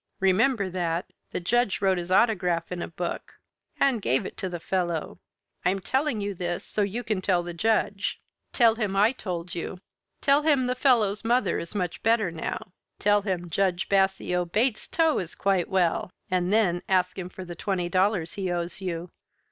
Remember that. The Judge wrote his autograph in a book and gave it to the fellow. I'm telling you this so you can tell the Judge. Tell him I told you. Tell him the fellow's mother is much better now. Tell him Judge Bassio Bates's toe is quite well. And then ask him for the twenty dollars he owes you.